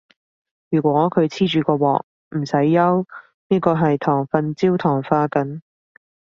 如果佢黐住個鑊，唔使憂，呢個係糖分焦糖化緊